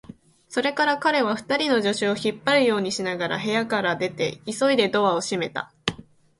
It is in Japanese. それから彼は、二人の助手を引っ張るようにしながら部屋から出て、急いでドアを閉めた。